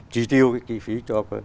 trí tiêu cái kí phí cho